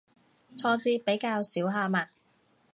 挫折比較少下嘛